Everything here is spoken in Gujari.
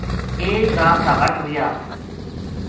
ایک رات تابٹ رہیا